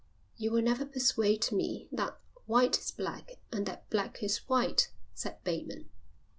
"You will never persuade me that white is black and that black is white," said Bateman.